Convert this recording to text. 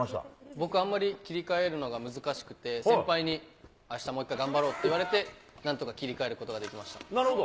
僕あんまり切り替えるのが難しくて、先輩にあした、もう一回頑張ろうと言われて、なんとか切り替えることができまなるほど。